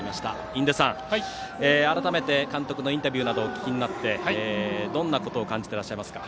印出さん、改めて監督のインタビューなどをお聞きになってどんなことを感じてらっしゃいますか。